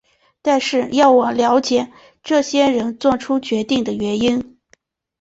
但是我要了解这些人作出决定的原因。